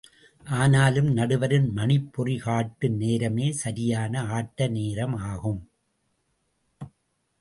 ஆனாலும், நடுவரின் மணிப்பொறி காட்டும் நேரமே சரியான ஆட்ட நேரம் ஆகும்.